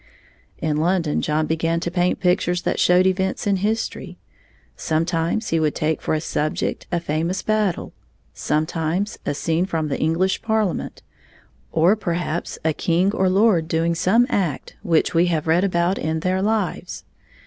In London John began to paint pictures that showed events in history. Sometimes he would take for a subject a famous battle, sometimes a scene from the English Parliament, or perhaps a king or lord doing some act which we have read about in their lives.